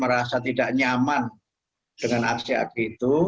merasa tidak nyaman dengan aksi aksi itu